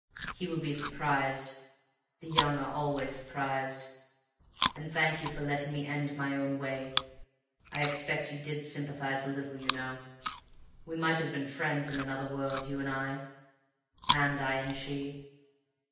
He will be surprised. The young are always surprised. And thank you for letting me end my own way. I expect you did sympathize a little, you know. We might have been friends in another world—you and I, and I and she.